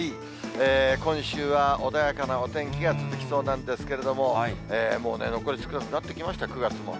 今週は穏やかなお天気が続きそうなんですけれども、もうね、残り少なくなってきました、９月も。